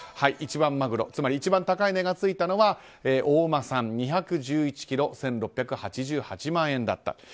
一番マグロつまり一番高い値がついたのは大間産２１１ｋｇ１６８８万円だった。